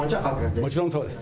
もちろんそうです。